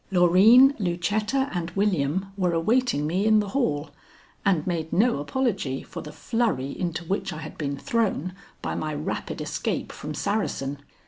Loreen, Lucetta, and William were awaiting me in the hall, and made no apology for the flurry into which I had been thrown by my rapid escape from Saracen.